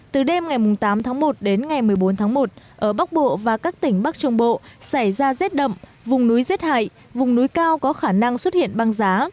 từ đêm ngày tám tháng một đến ngày một mươi bốn tháng một ở bắc bộ và các tỉnh bắc trung bộ xảy ra rét đậm vùng núi rét hại vùng núi cao có khả năng xuất hiện băng giá